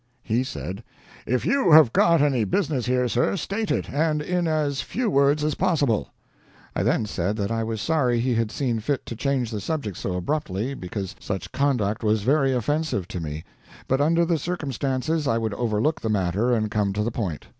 He said: "If you have got any business here, sir, state it and in as few words as possible." I then said that I was sorry he had seen fit to change the subject so abruptly, because such conduct was very offensive to me; but under the circumstances I would overlook the matter and come to the point.